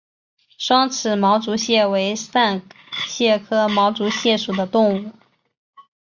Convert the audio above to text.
双齿毛足蟹为扇蟹科毛足蟹属的动物。